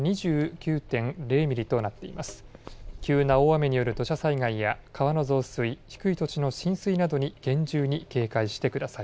急な大雨による土砂災害や川の増水、低い土地の浸水などに厳重に警戒してください。